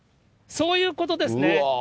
そういうことですね。